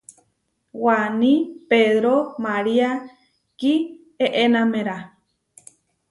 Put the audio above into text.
Waní Pedró María kieʼenaméra.